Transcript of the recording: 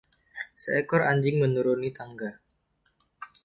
Seekor anjing menuruni tangga.